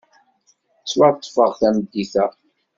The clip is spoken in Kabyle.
Ttwaṭṭfeɣ tameddit-a.